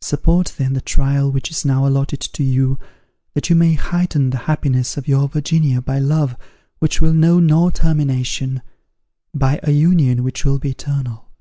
Support, then, the trial which is now allotted to you, that you may heighten the happiness of your Virginia by love which will know no termination, by a union which will be eternal.